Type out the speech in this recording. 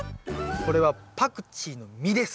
これはパクチーの実です。